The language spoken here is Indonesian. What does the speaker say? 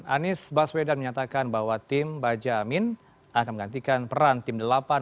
anies baswedan menyatakan bahwa tim baja amin akan menggantikan peran tim delapan